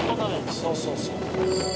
そうそうそう。